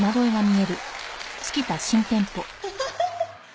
フフフフ！